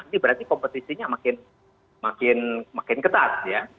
ini berarti kompetisinya makin ketat ya